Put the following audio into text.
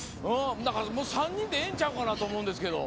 ３人でええんちゃうかなと思うんですけど。